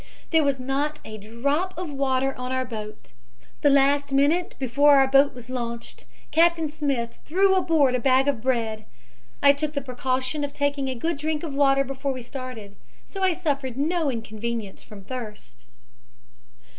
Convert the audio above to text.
"There was not a drop of water on our boat. The last minute before our boat was launched Captain Smith threw aboard a bag of bread. I took the precaution of taking a good drink of water before we started, so I suffered no inconvenience from thirst."